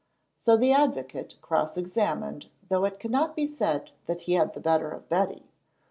So the advocate cross examined, though it cannot be said that he had the better of Betty.